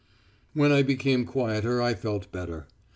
_ "When I became quieter I felt better.